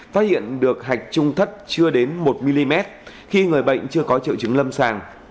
phát hiện được hạch trung thất chưa đến một mm khi người bệnh chưa có triệu chứng lâm sàng